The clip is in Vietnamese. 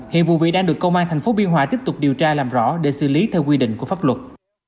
hiện vụ việc đang được công an thành phố biên hòa tiếp tục điều tra làm rõ để xử lý theo quy định của pháp luật